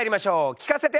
聞かせて！